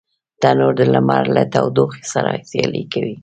تنور د لمر له تودوخي سره سیالي کوي